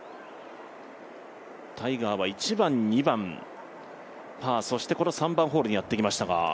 タイガーは１番、２番パー、そしてこの３番ホールにやってきましたが。